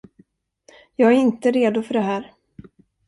Jag är inte redo för det här.